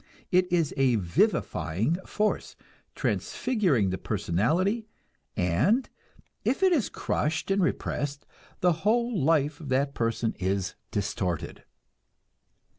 It is a vivifying force, transfiguring the personality, and if it is crushed and repressed, the whole life of that person is distorted.